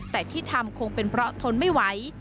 แต่ที่ทำคงเป็นเพราะทนไม่ไหว